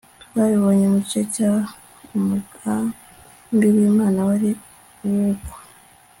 twabibonye mu gice cya umugambi w imana wari uw uko